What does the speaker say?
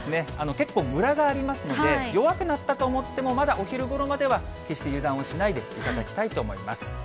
結構むらがありますので、弱くなったと思っても、まだお昼ごろまでは、決して油断をしないでいただきたいと思います。